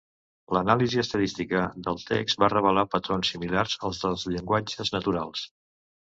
L'anàlisi estadística del text va revelar patrons similars als dels llenguatges naturals.